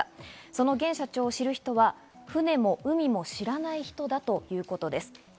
その現社長を知る人は、船も海も知らない人だということです。